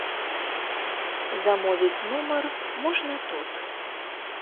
Замовіць нумар можна тут.